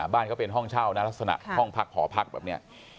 ก็เป็นห้องเช่านะลักษณะห้องพักหอพักแบบนี้